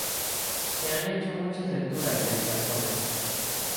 Se han hecho muchas lecturas de estas obras.